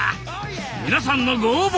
皆さんのご応募